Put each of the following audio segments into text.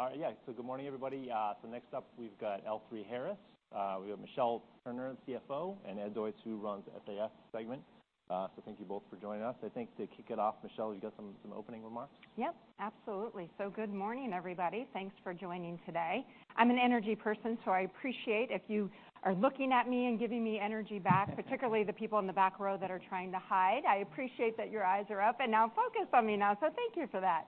All right. Good morning, everybody. Next up, we've got L3Harris. We have Michelle Turner, CFO, and Ed Zoiss, who runs SAS segment. Thank you both for joining us. I think to kick it off, Michelle, you got some opening remarks? Yep, absolutely. Good morning, everybody. Thanks for joining today. I'm an energy person, so I appreciate if you are looking at me and giving me energy back, particularly the people in the back row that are trying to hide. I appreciate that your eyes are up and now focused on me now, so thank you for that.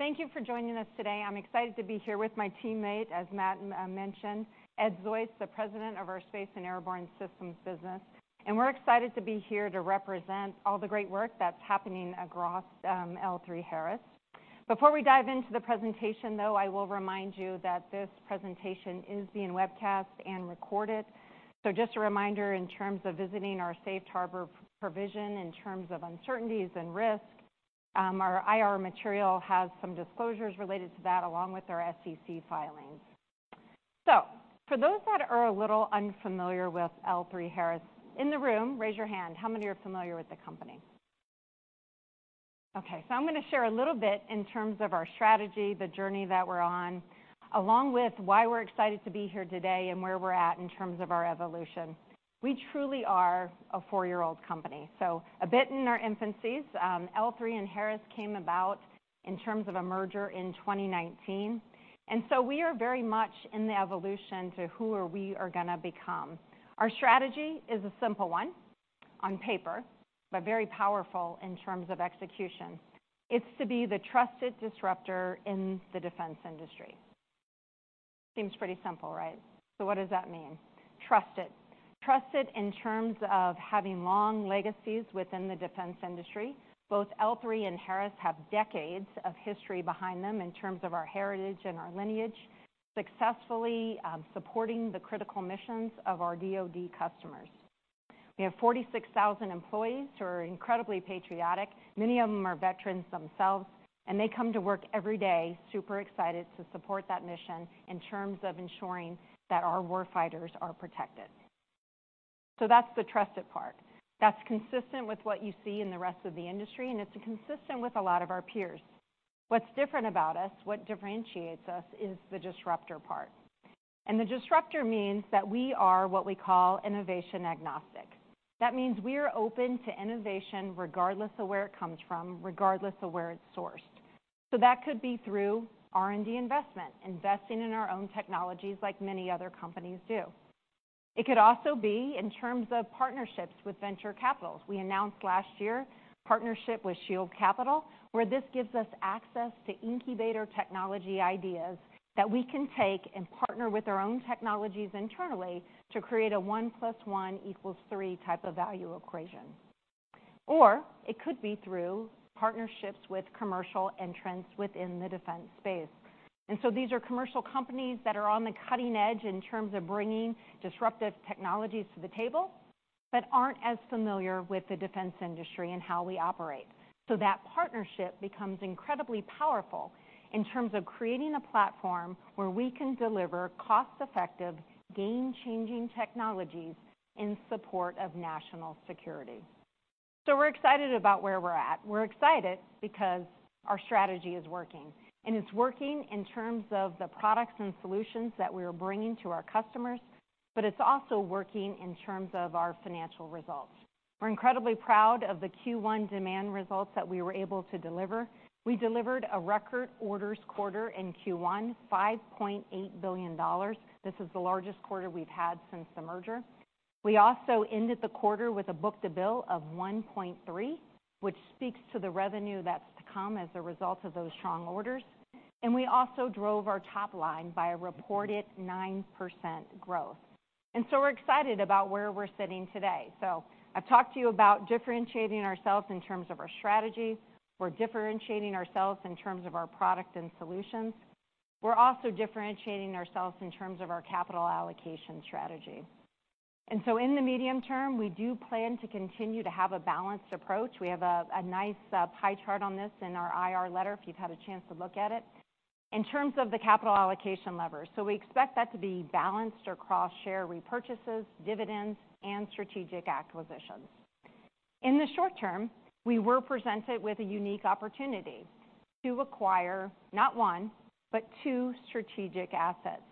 Thank you for joining us today. I'm excited to be here with my teammate, as Matt mentioned, Ed Zoiss, the President of our Space and Airborne Systems business. We're excited to be here to represent all the great work that's happening across L3Harris. Before we dive into the presentation, though, I will remind you that this presentation is being webcast and recorded. Just a reminder, in terms of visiting our safe harbor provision, in terms of uncertainties and risks, our IR material has some disclosures related to that, along with our SEC filings. For those that are a little unfamiliar with L3Harris, in the room, raise your hand. How many are familiar with the company? Okay, I'm gonna share a little bit in terms of our strategy, the journey that we're on, along with why we're excited to be here today and where we're at in terms of our evolution. We truly are a four-year-old company, so a bit in our infancies. L3 and Harris came about in terms of a merger in 2019, and so we are very much in the evolution to who we are gonna become. Our strategy is a simple one on paper, but very powerful in terms of execution. It's to be the trusted disruptor in the defense industry. Seems pretty simple, right? What does that mean? Trusted. Trusted in terms of having long legacies within the defense industry. Both L3 and Harris have decades of history behind them in terms of our heritage and our lineage, successfully supporting the critical missions of our DoD customers. We have 46,000 employees who are incredibly patriotic. Many of them are veterans themselves, they come to work every day, super excited to support that mission in terms of ensuring that our war fighters are protected. That's the trusted part. That's consistent with what you see in the rest of the industry, and it's consistent with a lot of our peers. What's different about us, what differentiates us, is the disruptor part. The disruptor means that we are what we call innovation agnostic. That means we are open to innovation regardless of where it comes from, regardless of where it's sourced. That could be through R&D investment, investing in our own technologies, like many other companies do. It could also be in terms of partnerships with venture capitals. We announced last year partnership with Shield Capital, where this gives us access to incubator technology ideas that we can take and partner with our own technologies internally to create a one plus one equals three type of value equation. It could be through partnerships with commercial entrants within the defense space. These are commercial companies that are on the cutting edge in terms of bringing disruptive technologies to the table but aren't as familiar with the defense industry and how we operate. That partnership becomes incredibly powerful in terms of creating a platform where we can deliver cost-effective, game-changing technologies in support of national security. We're excited about where we're at. We're excited because our strategy is working, and it's working in terms of the products and solutions that we are bringing to our customers, but it's also working in terms of our financial results. We're incredibly proud of the Q1 demand results that we were able to deliver. We delivered a record orders quarter in Q1, $5.8 billion. This is the largest quarter we've had since the merger. We also ended the quarter with a book-to-bill of 1.3, which speaks to the revenue that's to come as a result of those strong orders. We also drove our top line by a reported 9% growth. We're excited about where we're sitting today. I've talked to you about differentiating ourselves in terms of our strategy. We're differentiating ourselves in terms of our product and solutions. We're also differentiating ourselves in terms of our capital allocation strategy. In the medium term, we do plan to continue to have a balanced approach. We have a nice pie chart on this in our IR letter, if you've had a chance to look at it. In terms of the capital allocation levers, we expect that to be balanced or cross-share repurchases, dividends, and strategic acquisitions. In the short term, we were presented with a unique opportunity to acquire not one, but two strategic assets.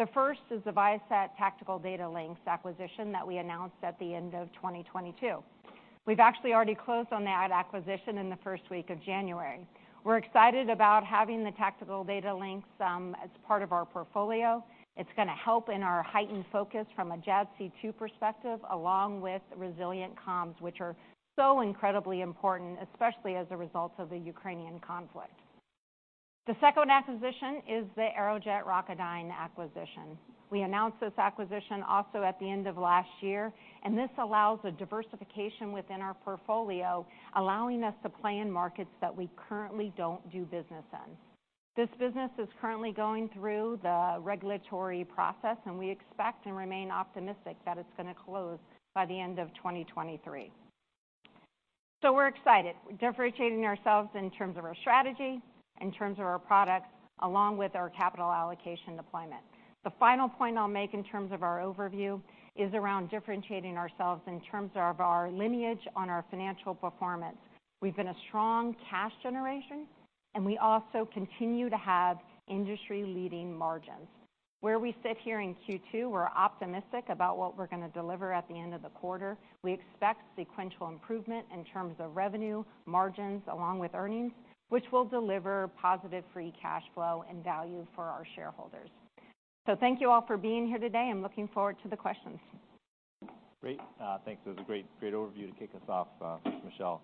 The first is the Viasat Tactical Data Links acquisition that we announced at the end of 2022. We've actually already closed on that acquisition in the first week of January. We're excited about having the Tactical Data Links as part of our portfolio. It's gonna help in our heightened focus from a JADC2 perspective, along with resilient comms, which are so incredibly important, especially as a result of the Ukrainian conflict. The second acquisition is the Aerojet Rocketdyne acquisition. We announced this acquisition also at the end of last year, this allows a diversification within our portfolio, allowing us to play in markets that we currently don't do business in. This business is currently going through the regulatory process, and we expect and remain optimistic that it's gonna close by the end of 2023. We're excited. We're differentiating ourselves in terms of our strategy, in terms of our products, along with our capital allocation deployment. The final point I'll make in terms of our overview is around differentiating ourselves in terms of our lineage on our financial performance. We've been a strong cash generation, and we also continue to have industry-leading margins. Where we sit here in Q2, we're optimistic about what we're gonna deliver at the end of the quarter. We expect sequential improvement in terms of revenue, margins, along with earnings, which will deliver positive free cash flow and value for our shareholders. Thank you all for being here today and looking forward to the questions. Great. Thanks. It was a great overview to kick us off, Michelle.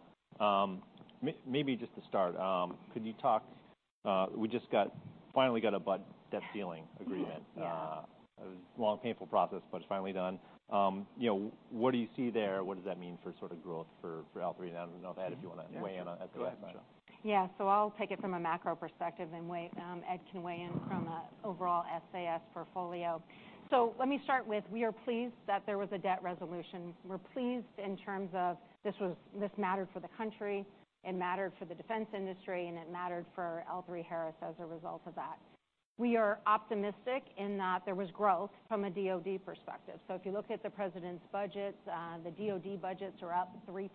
Maybe just to start, could you talk, we just got, finally got a debt ceiling agreement. Yeah. It was a long, painful process, but it's finally done. You know, what do you see there? What does that mean for sort of growth for L3Harris and I don't know, Ed, if you wanna weigh in on as well. Yeah. I'll take it from a macro perspective, and weigh, Ed can weigh in from a overall SAS portfolio. Let me start with, we are pleased that there was a debt resolution. We're pleased in terms of this mattered for the country, it mattered for the defense industry, and it mattered for L3Harris as a result of that. We are optimistic in that there was growth from a DoD perspective. If you look at the president's budgets, the DoD budgets are up 3%,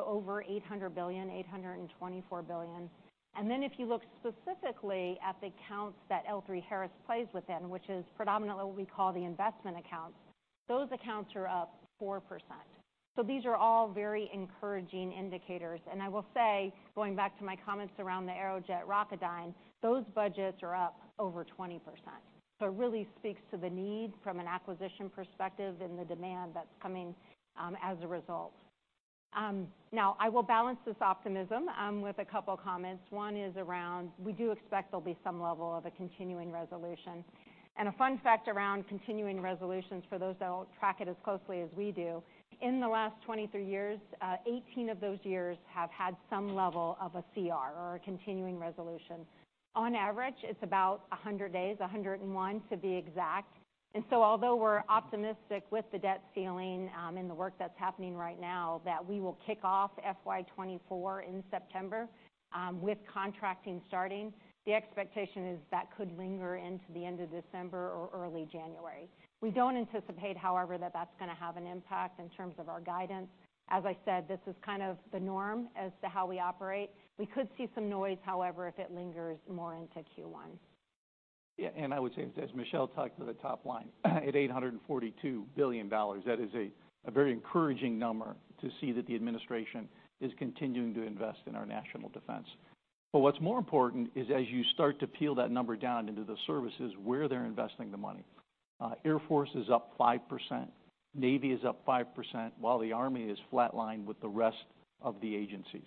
over $800 billion, $824 billion. If you look specifically at the accounts that L3Harris plays within, which is predominantly what we call the investment accounts, those accounts are up 4%. These are all very encouraging indicators. I will say, going back to my comments around the Aerojet Rocketdyne, those budgets are up over 20%. It really speaks to the need from an acquisition perspective and the demand that's coming as a result. Now, I will balance this optimism with a couple of comments. One is around, we do expect there'll be some level of a continuing resolution. A fun fact around continuing resolutions for those that don't track it as closely as we do, in the last 23 years, 18 of those years have had some level of a CR or a continuing resolution. On average, it's about 100 days, 101, to be exact. Although we're optimistic with the debt ceiling, and the work that's happening right now, that we will kick off FY 2024 in September, with contracting starting, the expectation is that could linger into the end of December or early January. We don't anticipate, however, that that's gonna have an impact in terms of our guidance. As I said, this is kind of the norm as to how we operate. We could see some noise, however, if it lingers more into Q1. I would say, as Michelle talked to the top line, at $842 billion, that is a very encouraging number to see that the administration is continuing to invest in our national defense. What's more important is as you start to peel that number down into the services, where they're investing the money. Air Force is up 5%, Navy is up 5%, while the Army is flatlined with the rest of the agencies.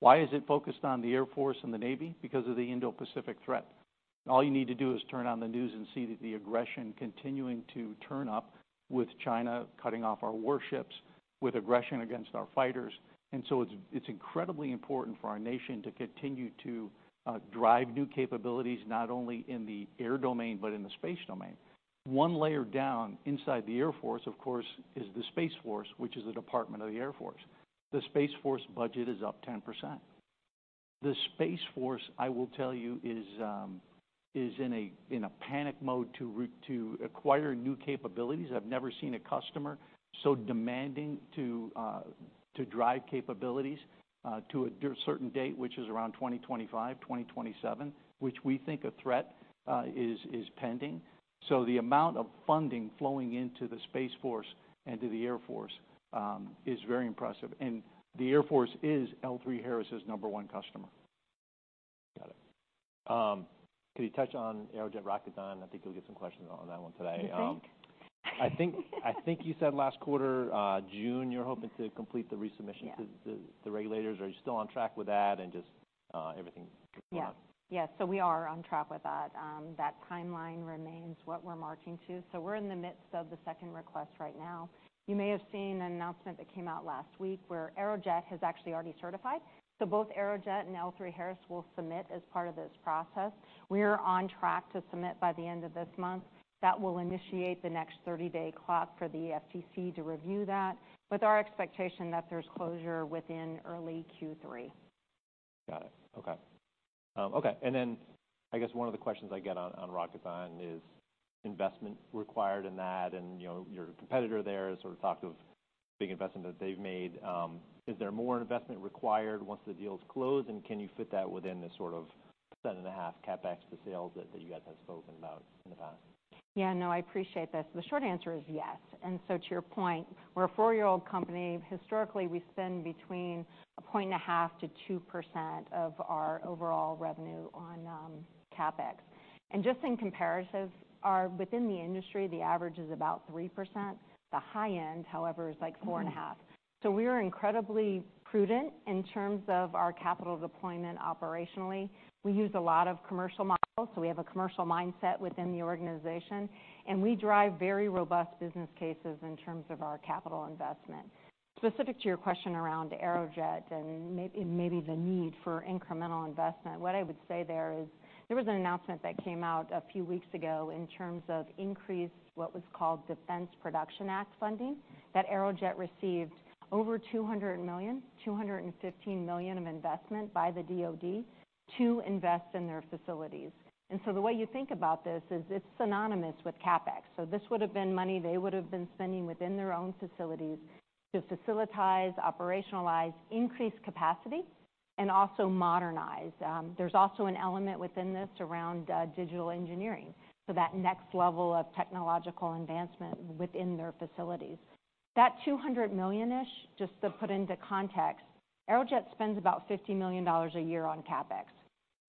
Why is it focused on the Air Force and the Navy? Because of the Indo-Pacific threat. All you need to do is turn on the news and see that the aggression continuing to turn up, with China cutting off our warships, with aggression against our fighters. It's incredibly important for our nation to continue to drive new capabilities, not only in the air domain, but in the space domain. One layer down inside the Air Force, of course, is the Space Force, which is a department of the Air Force. The Space Force budget is up 10%. The Space Force, I will tell you, is in a panic mode to acquire new capabilities. I've never seen a customer so demanding to drive capabilities to a certain date, which is around 2025, 2027, which we think a threat is pending. The amount of funding flowing into the Space Force and to the Air Force is very impressive. The Air Force is L3Harris' number one customer. Got it. Can you touch on Aerojet Rocketdyne? I think you'll get some questions on that one today. You think? I think you said last quarter, June, you're hoping to complete the resubmission- Yeah. -to the regulators. Are you still on track with that and just everything going on? Yes. Yes, we are on track with that. That timeline remains what we're marching to. We're in the midst of the second request right now. You may have seen an announcement that came out last week, where Aerojet has actually already certified. Both Aerojet and L3Harris will submit as part of this process. We are on track to submit by the end of this month. That will initiate the next 30-day clock for the FTC to review that, with our expectation that there's closure within early Q3. Got it. Okay. Okay, I guess one of the questions I get on Rocketdyne is investment required in that, and, you know, your competitor there sort of talked of big investment that they've made. Is there more investment required once the deal is closed, and can you fit that within the sort of 1.5% CapEx to sales that you guys have spoken about in the past? Yeah, no, I appreciate this. The short answer is yes. To your point, we're a 4-year-old company. Historically, we spend between 1.5%-2% of our overall revenue on CapEx. Just in comparison, within the industry, the average is about 3%. The high end, however, is like 4.5%. We are incredibly prudent in terms of our capital deployment operationally. We use a lot of commercial models, so we have a commercial mindset within the organization, and we drive very robust business cases in terms of our capital investment. Specific to your question around Aerojet and maybe the need for incremental investment, what I would say there is, there was an announcement that came out a few weeks ago in terms of increased, what was called Defense Production Act funding, that Aerojet received over $200 million, $215 million of investment by the DoD to invest in their facilities. The way you think about this is, it's synonymous with CapEx. This would have been money they would have been spending within their own facilities to facilitize, operationalize, increase capacity, and also modernize. There's also an element within this around digital engineering, that next level of technological advancement within their facilities. That $200 million-ish, just to put into context, Aerojet spends about $50 million a year on CapEx.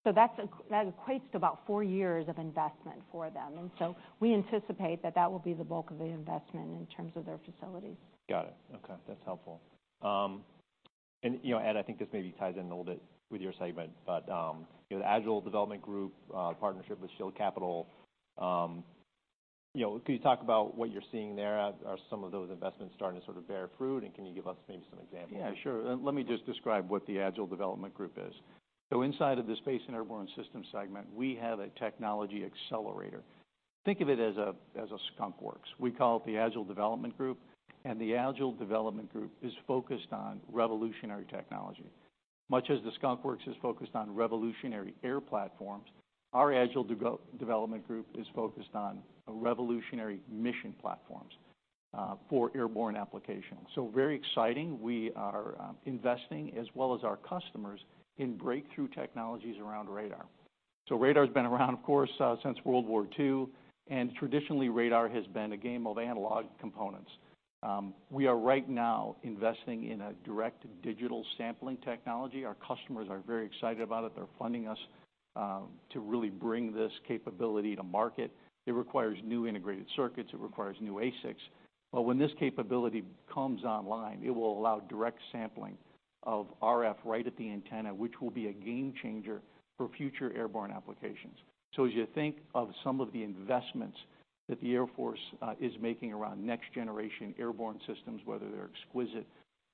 That equates to about four years of investment for them. We anticipate that that will be the bulk of the investment in terms of their facilities. Got it. Okay, that's helpful. You know, Ed Zoiss, I think this maybe ties in a little bit with your segment, but, you know, the Agile Development Group partnership with Shield Capital, you know, can you talk about what you're seeing there? Are some of those investments starting to sort of bear fruit, and can you give us maybe some examples? Yeah, sure. Let me just describe what the Agile Development Group is. Inside of the Space and Airborne Systems segment, we have a technology accelerator. Think of it as a Skunk Works. We call it the Agile Development Group, and the Agile Development Group is focused on revolutionary technology. Much as the Skunk Works is focused on revolutionary air platforms, our Agile Development Group is focused on revolutionary mission platforms for airborne applications. Very exciting. We are investing, as well as our customers, in breakthrough technologies around radar. Radar's been around, of course, since World War II, traditionally, radar has been a game of analog components. We are right now investing in a Direct Digital Sampling technology. Our customers are very excited about it. They're funding us to really bring this capability to market. It requires new integrated circuits, it requires new ASICs. When this capability comes online, it will allow direct sampling of RF right at the antenna, which will be a game changer for future airborne applications. As you think of some of the investments that the Air Force is making around next-generation airborne systems, whether they're exquisite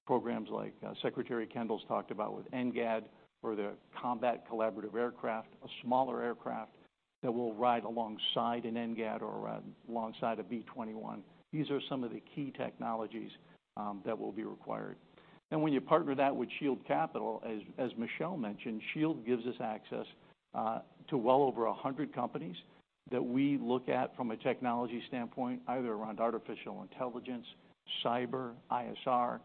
programs like Secretary Kendall's talked about with NGAD or the Collaborative Combat Aircraft, a smaller aircraft that will ride alongside an NGAD or alongside a B-21. These are some of the key technologies that will be required. When you partner that with Shield Capital, as Michelle mentioned, Shield gives us access to well over 100 companies that we look at from a technology standpoint, either around artificial intelligence, cyber, ISR.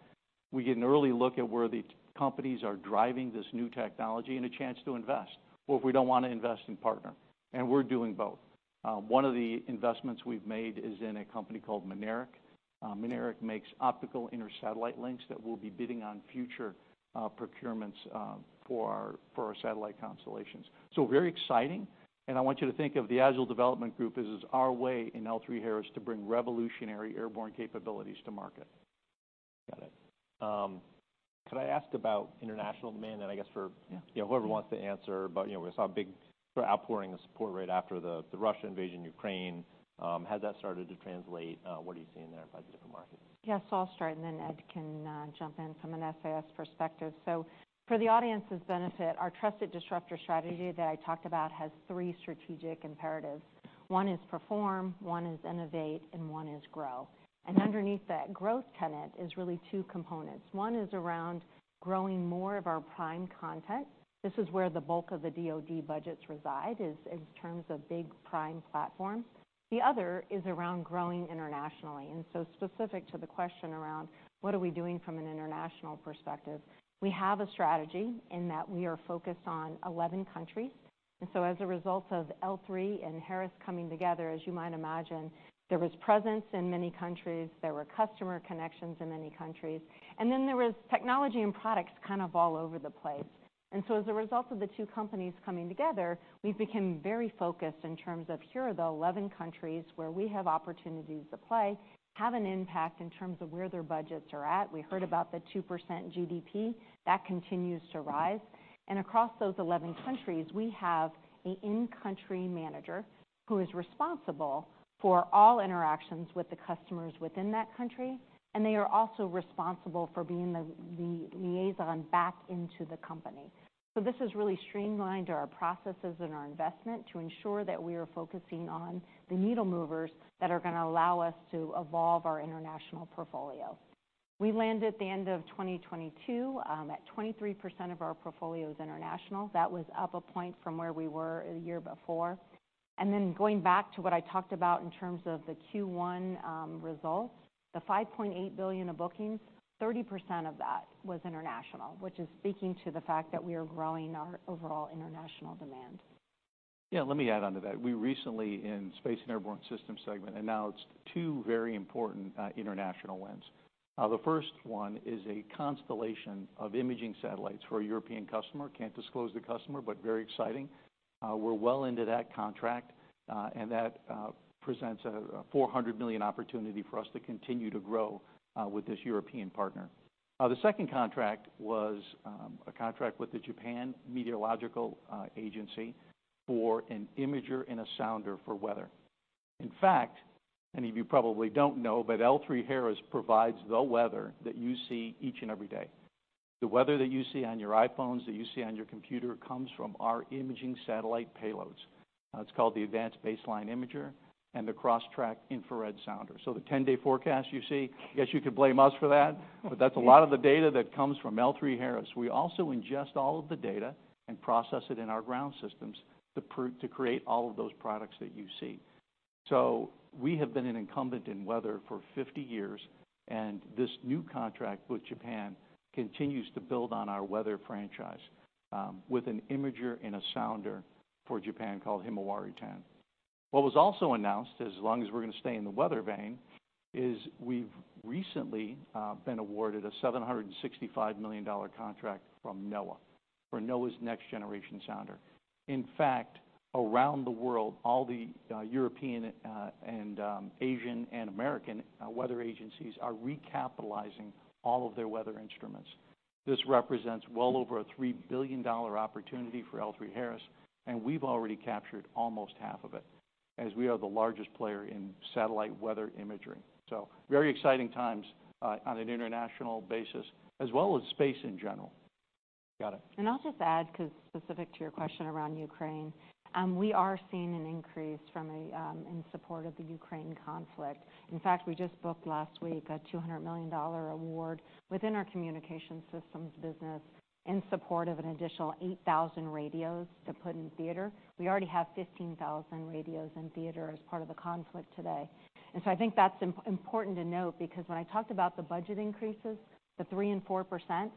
We get an early look at where the companies are driving this new technology and a chance to invest, or if we don't want to invest and partner, and we're doing both. One of the investments we've made is in a company called Mynaric. Mynaric makes optical intersatellite links that we'll be bidding on future procurements for our, for our satellite constellations. Very exciting, and I want you to think of the Agile Development Group as our way in L3Harris to bring revolutionary airborne capabilities to market. Got it. Could I ask about international demand? I guess. Yeah. Whoever wants to answer, you know, we saw a big outpouring of support right after the Russia invasion of Ukraine. Has that started to translate? What are you seeing there by the different markets? Yes, I'll start, and then Ed can jump in from an SAS perspective. For the audience's benefit, our trusted disruptor strategy that I talked about has three strategic imperatives. One is perform, one is innovate, and one is grow. Underneath that growth tenet is really two components. One is around growing more of our prime content. This is where the bulk of the DoD budgets reside, is in terms of big prime platforms. The other is around growing internationally. Specific to the question around what are we doing from an international perspective, we have a strategy in that we are focused on 11 countries. As a result of L3 and Harris coming together, as you might imagine, there was presence in many countries, there were customer connections in many countries, and then there was technology and products kind of all over the place. As a result of the two companies coming together, we've become very focused in terms of here are the 11 countries where we have opportunities to play, have an impact in terms of where their budgets are at. We heard about the 2% GDP. That continues to rise. Across those 11 countries, we have an in-country manager who is responsible for all interactions with the customers within that country, and they are also responsible for being the liaison back into the company. This has really streamlined our processes and our investment to ensure that we are focusing on the needle movers that are gonna allow us to evolve our international portfolio. We landed at the end of 2022, at 23% of our portfolio is international. That was up 1 point from where we were the year before. Going back to what I talked about in terms of the Q1 results, the $5.8 billion of bookings, 30% of that was international, which is speaking to the fact that we are growing our overall international demand. Yeah, let me add on to that. We recently, in Space and Airborne Systems segment, announced 2 very important international wins. The first one is a constellation of imaging satellites for a European customer. Can't disclose the customer, but very exciting. We're well into that contract, and that presents a $400 million opportunity for us to continue to grow with this European partner. The second contract was a contract with the Japan Meteorological Agency for an imager and a sounder for weather. In fact, many of you probably don't know, but L3Harris provides the weather that you see each and every day. The weather that you see on your iPhones, that you see on your computer, comes from our imaging satellite payloads. It's called the Advanced Baseline Imager and the Cross-track Infrared Sounder. The 10-day forecast you see, I guess you could blame us for that, but that's a lot of the data that comes from L3Harris. We also ingest all of the data and process it in our ground systems to create all of those products that you see. We have been an incumbent in weather for 50 years, and this new contract with Japan continues to build on our weather franchise with an imager and a sounder for Japan called Himawari-10. What was also announced, as long as we're going to stay in the weather vein, is we've recently been awarded a $765 million contract from NOAA for NOAA's next generation sounder. In fact, around the world, all the European, and Asian and American weather agencies are recapitalizing all of their weather instruments. This represents well over a $3 billion opportunity for L3Harris, and we've already captured almost half of it, as we are the largest player in satellite weather imagery. Very exciting times, on an international basis, as well as space in general. Got it. I'll just add, 'cause specific to your question around Ukraine, we are seeing an increase from a in support of the Ukraine conflict. In fact, we just booked last week a $200 million award within our communication systems business in support of an additional 8,000 radios to put in theater. We already have 15,000 radios in theater as part of the conflict today. I think that's important to note, because when I talked about the budget increases, the 3% and 4%,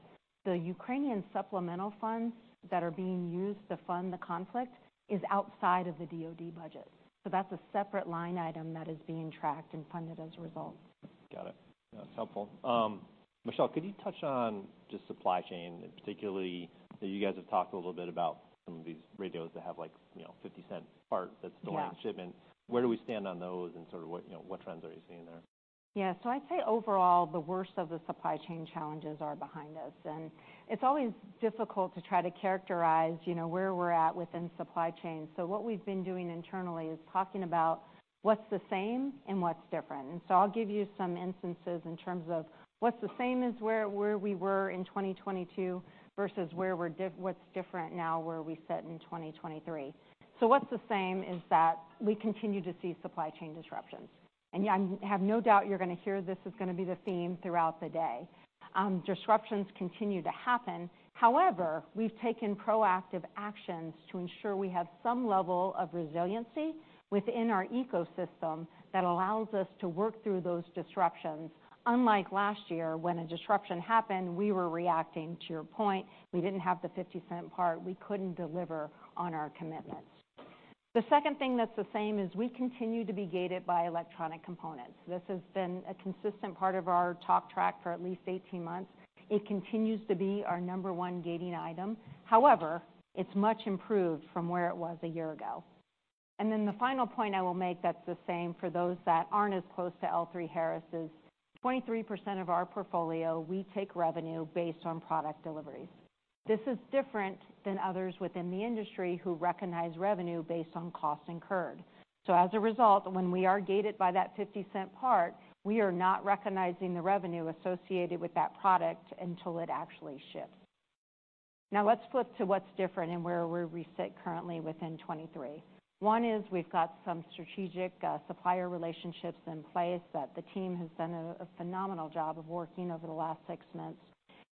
the Ukrainian supplemental funds that are being used to fund the conflict is outside of the DoD budget. That's a separate line item that is being tracked and funded as a result. Got it. That's helpful. Michelle, could you touch on just supply chain, and particularly, that you guys have talked a little about some of these radios that have, like, you know, $0.50 part- Yeah that's delaying shipment. Where do we stand on those and sort of what, you know, what trends are you seeing there? Yeah. I'd say overall, the worst of the supply chain challenges are behind us, and it's always difficult to try to characterize, you know, where we're at within supply chain. What we've been doing internally is talking about what's the same and what's different. I'll give you some instances in terms of what's the same as where we were in 2022 versus what's different now, where we sit in 2023. What's the same is that we continue to see supply chain disruptions. I have no doubt you're gonna hear this is gonna be the theme throughout the day. Disruptions continue to happen. However, we've taken proactive actions to ensure we have some level of resiliency within our ecosystem that allows us to work through those disruptions. Unlike last year, when a disruption happened, we were reacting. To your point, we didn't have the $0.50 part, we couldn't deliver on our commitments. The second thing that's the same is we continue to be gated by electronic components. This has been a consistent part of our talk track for at least 18 months. It continues to be our number one gating item. However, it's much improved from where it was a year ago. The final point I will make that's the same for those that aren't as close to L3Harris, is 23% of our portfolio, we take revenue based on product deliveries. This is different than others within the industry who recognize revenue based on cost incurred. As a result, when we are gated by that $0.50 part, we are not recognizing the revenue associated with that product until it actually ships. Let's flip to what's different and where we sit currently within 2023. One is we've got some strategic supplier relationships in place that the team has done a phenomenal job of working over the last 6 months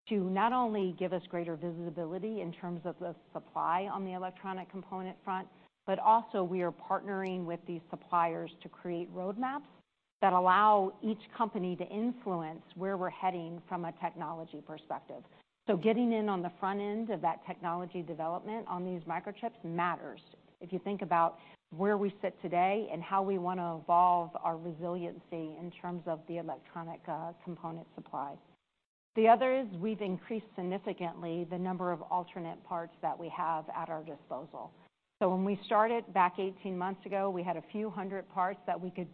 to not only give us greater visibility in terms of the supply on the electronic component front, but also we are partnering with these suppliers to create roadmaps that allow each company to influence where we're heading from a technology perspective. Getting in on the front end of that technology development on these microchips matters, if you think about where we sit today and how we want to evolve our resiliency in terms of the electronic component supply. The other is we've increased significantly the number of alternate parts that we have at our disposal. When we started back 18 months ago, we had a few hundred parts that we could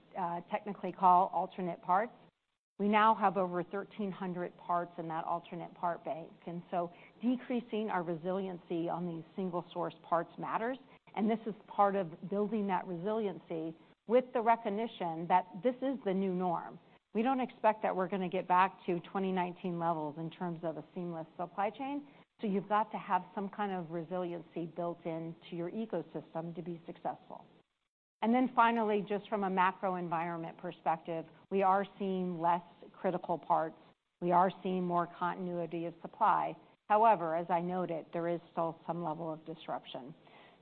technically call alternate parts. We now have over 1,300 parts in that alternate part bank. Decreasing our resiliency on these single-source parts matters, and this is part of building that resiliency with the recognition that this is the new norm. We don't expect that we're gonna get back to 2019 levels in terms of a seamless supply chain, so you've got to have some kind of resiliency built into your ecosystem to be successful. Finally, just from a macro environment perspective, we are seeing less critical parts. We are seeing more continuity of supply. However, as I noted, there is still some level of disruption.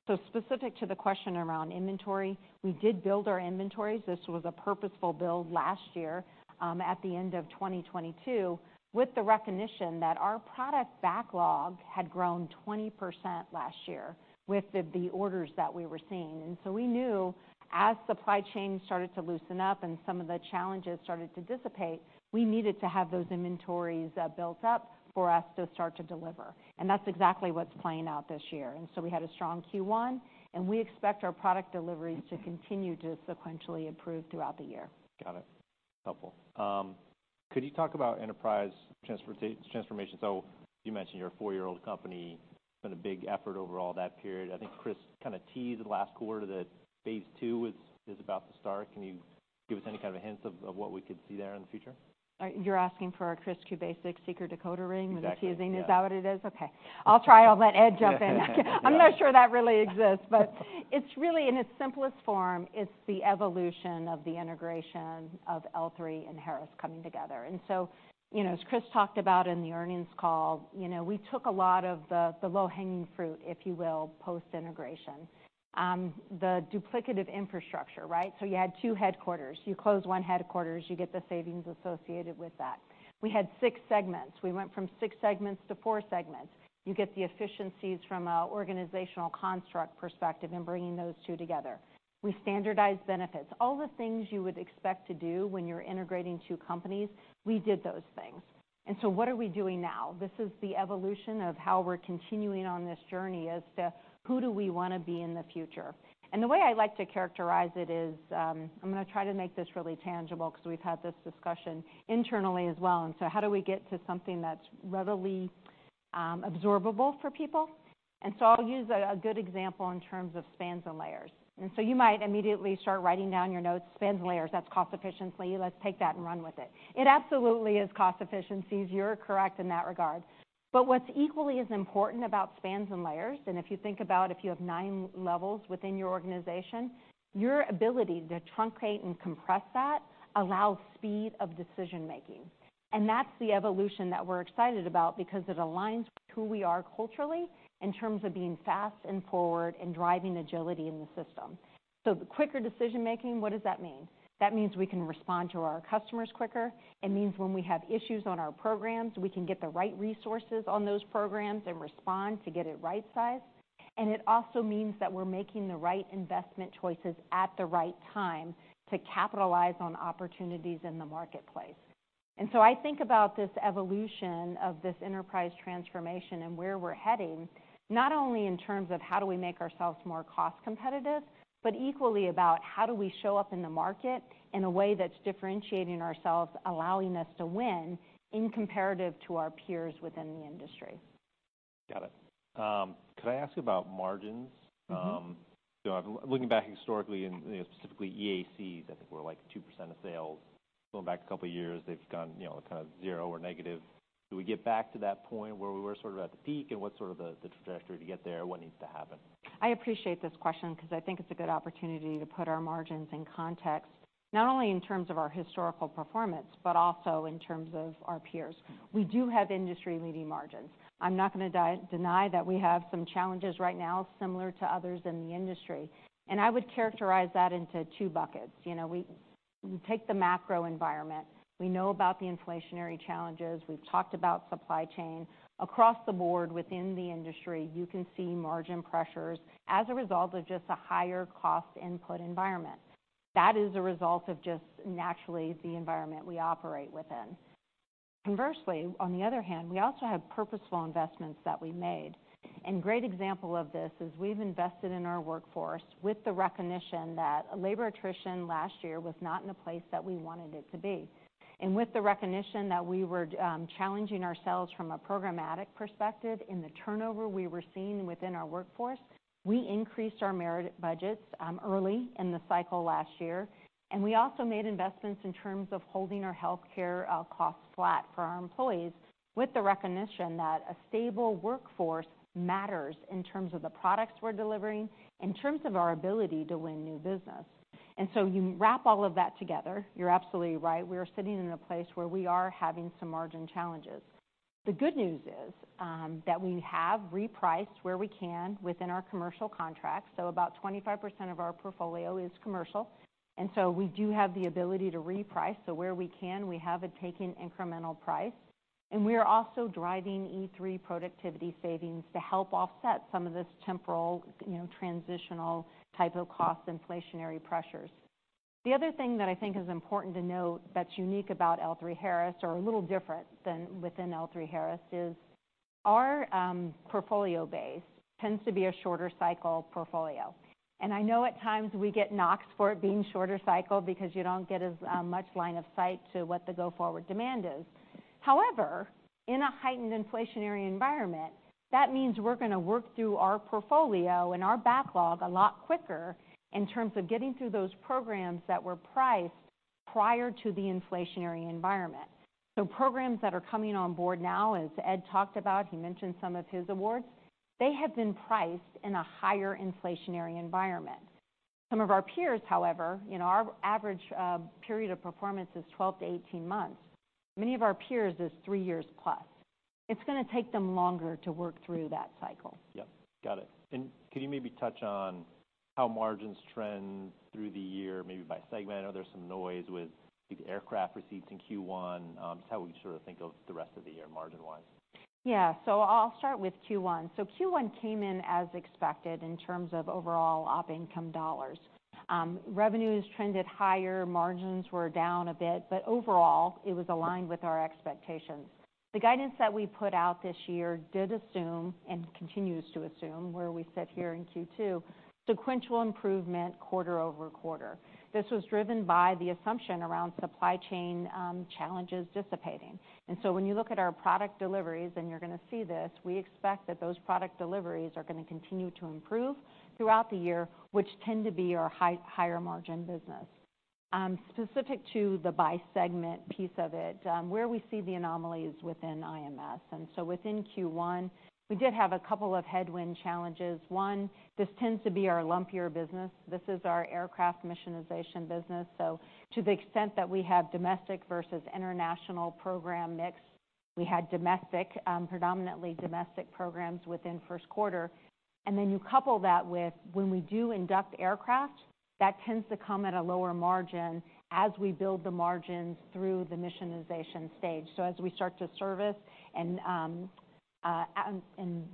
Specific to the question around inventory, we did build our inventories. This was a purposeful build last year, at the end of 2022, with the recognition that our product backlog had grown 20% last year with the orders that we were seeing. We knew as supply chain started to loosen up and some of the challenges started to dissipate, we needed to have those inventories built up for us to start to deliver. That's exactly what's playing out this year. We had a strong Q1, and we expect our product deliveries to continue to sequentially improve throughout the year. Got it. Helpful. Could you talk about enterprise transformation? You mentioned you're a four-year-old company, been a big effort over all that period. I think Chris kind of teased last quarter that phase two is about to start. Can you give us any kind of hints of what we could see there in the future? You're asking for a Chris Kubasik secret decoder ring- Exactly, yeah. Is that what it is? Okay. I'll try. I'll let Ed jump in. I'm not sure that really exists, but it's really, in its simplest form, it's the evolution of the integration of L3 and Harris coming together. You know, as Chris talked about in the earnings call, you know, we took a lot of the low-hanging fruit, if you will, post-integration. The duplicative infrastructure, right? You had 2 headquarters. You close one headquarters, you get the savings associated with that. We had six segments. We went from six segments to four segments. You get the efficiencies from an organizational construct perspective in bringing those two together. We standardized benefits. All the things you would expect to do when you're integrating two companies, we did those things. What are we doing now? This is the evolution of how we're continuing on this journey as to who do we wanna be in the future. The way I like to characterize it is, I'm gonna try to make this really tangible because we've had this discussion internally as well, how do we get to something that's readily absorbable for people? I'll use a good example in terms of spans and layers. You might immediately start writing down your notes, spans and layers, that's cost efficiency. Let's take that and run with it. It absolutely is cost efficiencies. You're correct in that regard. What's equally as important about spans and layers, and if you think about if you have nine levels within your organization, your ability to truncate and compress that allows speed of decision-making. That's the evolution that we're excited about because it aligns with who we are culturally, in terms of being fast and forward and driving agility in the system. The quicker decision-making, what does that mean? That means we can respond to our customers quicker. It means when we have issues on our programs, we can get the right resources on those programs and respond to get it right sized. It also means that we're making the right investment choices at the right time to capitalize on opportunities in the marketplace. I think about this evolution of this enterprise transformation and where we're heading, not only in terms of how do we make ourselves more cost competitive, but equally about how do we show up in the market in a way that's differentiating ourselves, allowing us to win in comparative to our peers within the industry. Got it. Could I ask about margins? Mm-hmm. Looking back historically and, you know, specifically EACs, I think we're like 2% of sales. Going back a couple of years, they've gone, you know, kind of zero or negative. Do we get back to that point where we were sort of at the peak, and what's sort of the trajectory to get there? What needs to happen? I appreciate this question because I think it's a good opportunity to put our margins in context, not only in terms of our historical performance, but also in terms of our peers. We do have industry-leading margins. I'm not gonna deny that we have some challenges right now, similar to others in the industry. I would characterize that into two buckets. You know, we take the macro environment. We know about the inflationary challenges. We've talked about supply chain. Across the board, within the industry, you can see margin pressures as a result of just a higher cost input environment. That is a result of just naturally the environment we operate within. Conversely, on the other hand, we also have purposeful investments that we made. Great example of this is we've invested in our workforce with the recognition that labor attrition last year was not in a place that we wanted it to be. With the recognition that we were challenging ourselves from a programmatic perspective in the turnover we were seeing within our workforce, we increased our merit budgets early in the cycle last year. We also made investments in terms of holding our healthcare costs flat for our employees, with the recognition that a stable workforce matters in terms of the products we're delivering, in terms of our ability to win new business. You wrap all of that together, you're absolutely right, we are sitting in a place where we are having some margin challenges. The good news is that we have repriced where we can within our commercial contracts, so about 25% of our portfolio is commercial, and so we do have the ability to reprice. Where we can, we have it taken incremental price. We are also driving E3 productivity savings to help offset some of this temporal, you know, transitional type of cost inflationary pressures. The other thing that I think is important to note that's unique about L3Harris, or a little different than within L3Harris, is our portfolio base tends to be a shorter cycle portfolio. I know at times we get knocked for it being shorter cycle because you don't get as much line of sight to what the go-forward demand is. However, in a heightened inflationary environment, that means we're gonna work through our portfolio and our backlog a lot quicker in terms of getting through those programs that were priced prior to the inflationary environment. Programs that are coming on board now, as Ed talked about, he mentioned some of his awards, they have been priced in a higher inflationary environment. Some of our peers, however, you know, our average period of performance is 12-18 months. Many of our peers is three years plus. It's gonna take them longer to work through that cycle. Yep, got it. Could you maybe touch on how margins trend through the year, maybe by segment? I know there's some noise with the aircraft receipts in Q1. How would you sort of think of the rest of the year, margin-wise? Yeah. I'll start with Q1. Q1 came in as expected in terms of overall op income dollars. Revenues trended higher, margins were down a bit, overall, it was aligned with our expectations. The guidance that we put out this year did assume, and continues to assume, where we sit here in Q2, sequential improvement quarter-over-quarter. This was driven by the assumption around supply chain challenges dissipating. When you look at our product deliveries, and you're gonna see this, we expect that those product deliveries are gonna continue to improve throughout the year, which tend to be our higher margin business. Specific to the by segment piece of it, where we see the anomalies within IMS, within Q1, we did have a couple of headwind challenges. One, this tends to be our lumpier business. This is our aircraft missionization business. To the extent that we have domestic versus international program mix. We had domestic, predominantly domestic programs within first quarter. You couple that with when we do induct aircraft, that tends to come at a lower margin as we build the margins through the missionization stage. As we start to service and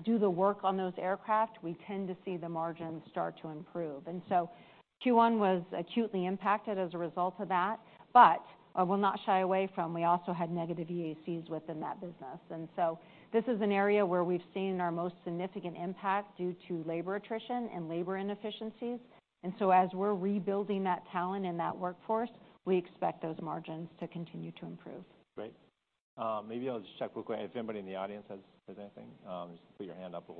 do the work on those aircraft, we tend to see the margins start to improve. Q1 was acutely impacted as a result of that, but I will not shy away from we also had negative EACs within that business. This is an area where we've seen our most significant impact due to labor attrition and labor inefficiencies. As we're rebuilding that talent and that workforce, we expect those margins to continue to improve. Great. Maybe I'll just check real quick. If anybody in the audience has anything, just put your hand up and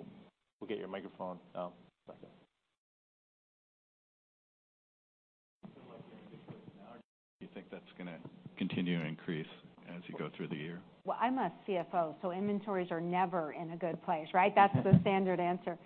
we'll get your microphone back there. Do you think that's gonna continue to increase as you go through the year? I'm a CFO, inventories are never in a good place, right? That's the standard answer.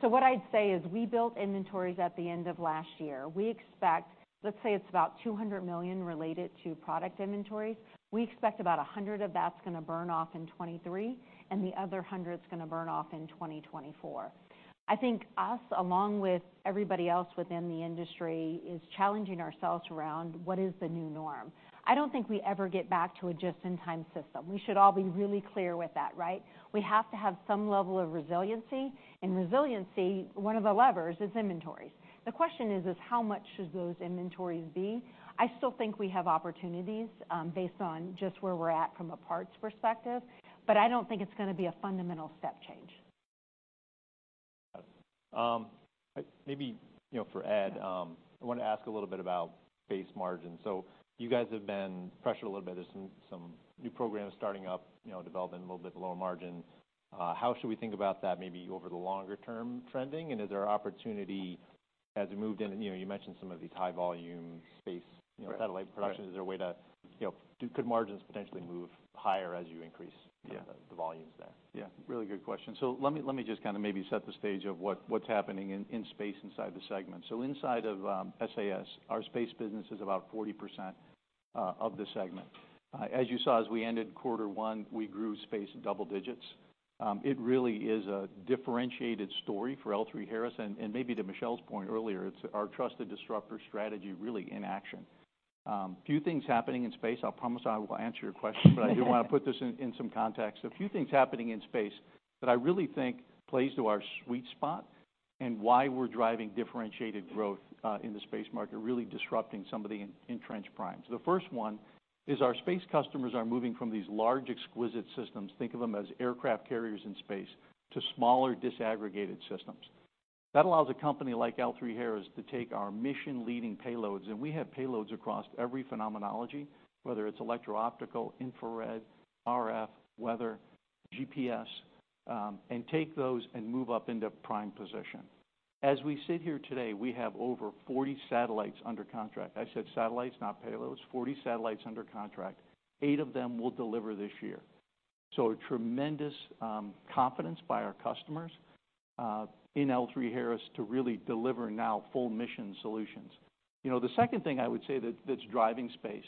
What I'd say is, we built inventories at the end of last year. We expect, let's say it's about $200 million related to product inventories. We expect about $100 of that's gonna burn off in 2023, the other $100 is gonna burn off in 2024. I think us, along with everybody else within the industry, is challenging ourselves around what is the new norm. I don't think we ever get back to a just-in-time system. We should all be really clear with that, right? We have to have some level of resiliency, one of the levers is inventories. The question is how much should those inventories be? I still think we have opportunities, based on just where we're at from a parts perspective, but I don't think it's gonna be a fundamental step change. Maybe, you know, for Ed, I want to ask a little bit about base margin. You guys have been pressured a little bit. There's some new programs starting up, you know, developing a little bit lower margin. How should we think about that, maybe over the longer term trending? Is there opportunity as we moved in, you know, you mentioned some of these high volume space, you know, satellite productions. Right. Is there a way to, you know, could margins potentially move higher as you? Yeah. the volumes there? Yeah, really good question. Let me just kind of maybe set the stage of what's happening in space inside the segment. Inside of SAS, our space business is about 40% of the segment. As you saw, as we ended quarter one, we grew space double digits. It really is a differentiated story for L3Harris. Maybe to Michelle's point earlier, it's our trusted disruptor strategy really in action. A few things happening in space. I'll promise I will answer your question, but I do want to put this in some context. A few things happening in space that I really think plays to our sweet spot and why we're driving differentiated growth in the space market, really disrupting some of the entrenched primes. The first one is our space customers are moving from these large, exquisite systems, think of them as aircraft carriers in space, to smaller, disaggregated systems. That allows a company like L3Harris to take our mission-leading payloads, and we have payloads across every phenomenology, whether it's electro-optical, infrared, RF, weather, GPS, and take those and move up into prime position. As we sit here today, we have over 40 satellites under contract. I said satellites, not payloads. 40 satellites under contract. 8 of them will deliver this year. A tremendous confidence by our customers in L3Harris to really deliver now full mission solutions. You know, the second thing I would say that's driving space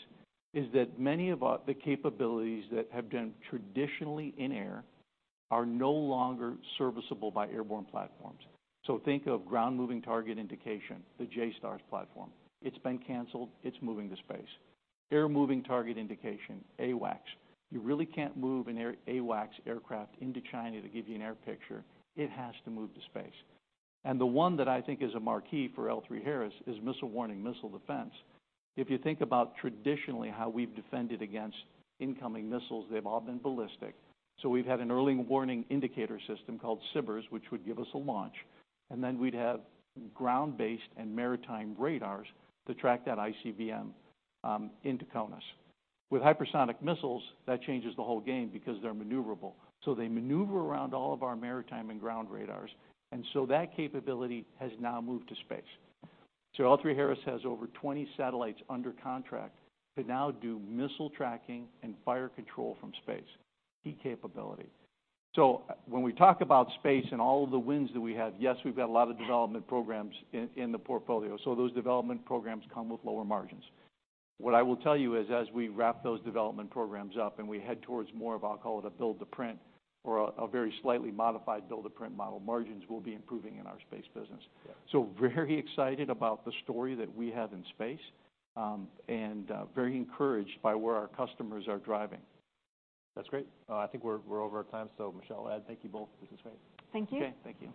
is that many of the capabilities that have been traditionally in air are no longer serviceable by airborne platforms. Think of Ground Moving Target Indication, the JSTARS platform. It's been canceled, it's moving to space. Air Moving Target Indication, AWACS. You really can't move an AWACS aircraft into China to give you an air picture. It has to move to space. The one that I think is a marquee for L3Harris is Missile Warning, Missile Defense. If you think about traditionally how we've defended against incoming missiles, they've all been ballistic. We've had an early warning indicator system called SBIRS, which would give us a launch, and then we'd have ground-based and maritime radars to track that ICBM into CONUS. With hypersonic missiles, that changes the whole game because they're maneuverable, they maneuver around all of our maritime and ground radars, that capability has now moved to space. L3Harris has over 20 satellites under contract to now do missile tracking and fire control from space. Key capability. When we talk about space and all of the wins that we have, yes, we've got a lot of development programs in the portfolio. Those development programs come with lower margins. What I will tell you is, as we wrap those development programs up and we head towards more of, I'll call it a build-to-print or a very slightly modified build-to-print model, margins will be improving in our space business. Yeah. Very excited about the story that we have in space, and very encouraged by where our customers are driving. That's great. I think we're over our time. Michelle, Ed, thank you both. This is great. Thank you. Okay, thank you.